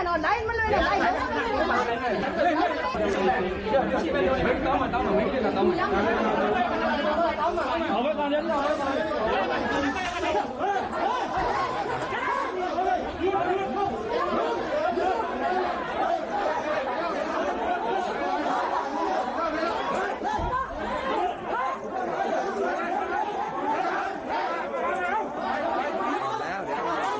ต้องรับแสบเสียงส่วนบริษัทช่วยให้ประทับสิ่งที่ดี